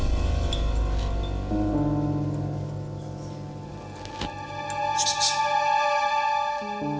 sudah belasan tahun